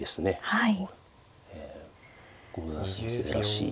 はい。